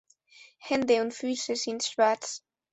Hände und Füße sind schwarz.